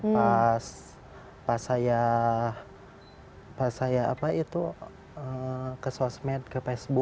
pas saya ke sosmed ke facebook